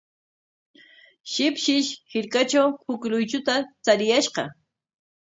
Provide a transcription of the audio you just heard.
Shipshish hirkatraw huk luychuta chariyashqa.